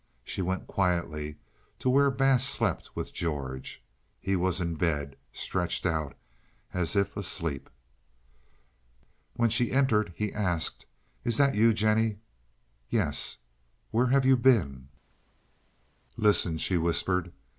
She went quietly to where Bass slept with George. He was in bed, stretched out as if asleep. When she entered he asked, "Is that you, Jennie?" "Yes." "Where have you been?" "Listen," she whispered.